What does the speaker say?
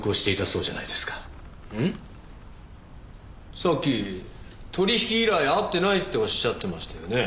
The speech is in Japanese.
さっき取引以来会ってないっておっしゃってましたよねえ。